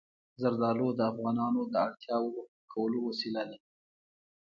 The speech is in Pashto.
زردالو د افغانانو د اړتیاوو د پوره کولو وسیله ده.